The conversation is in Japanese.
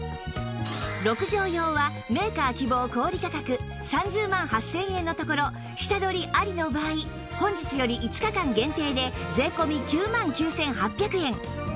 ６畳用はメーカー希望小売価格３０万８０００円のところ下取りありの場合本日より５日間限定で税込９万９８００円